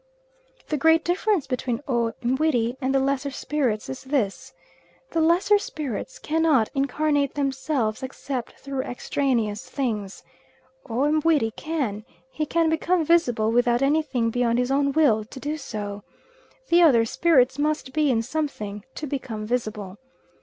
The great difference between O Mbuiri and the lesser spirits is this: the lesser spirits cannot incarnate themselves except through extraneous things; O Mbuiri can, he can become visible without anything beyond his own will to do so. The other spirits must be in something to become visible.